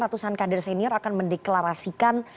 ratusan kader senior akan mendeklarasikan